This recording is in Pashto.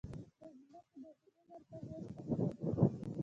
د ځمکې داخلي مرکز اوسپنه لري.